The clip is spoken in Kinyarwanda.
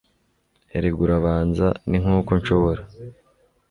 erega urabanza, ni nk'uko nshobora